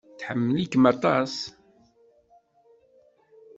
Tḥemmel-ikem aṭas.